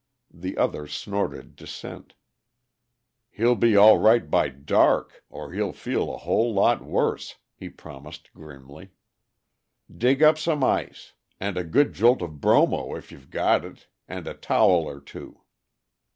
The other snorted dissent. "He'll be all right by dark or he'll feel a whole lot worse," he promised grimly. "Dig up some ice. And a good jolt of bromo, if you've got it and a towel or two."